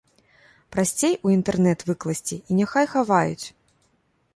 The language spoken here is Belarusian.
Прасцей у інтэрнэт выкласці, і няхай хаваюць!